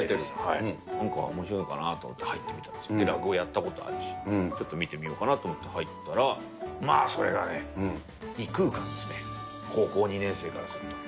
なんか、おもしろいかなと思って入って、落語やったことあるし、ちょっと見てみようかなと思って入ったら、まあそれがね、異空間ですね、高校２年生からすると。